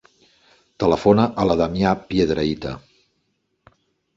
Telefona a la Damià Piedrahita.